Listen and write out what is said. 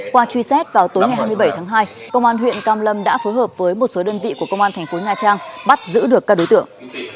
qua truy xét vào tối ngày hai mươi bảy tháng hai công an huyện cam lâm đã phối hợp với một số đơn vị của công an thành phố nha trang bắt giữ được các đối tượng